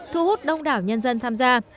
thu hút đông đảo nhân dân tham gia